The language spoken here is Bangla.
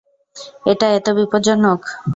এটা এত বিপজ্জনক?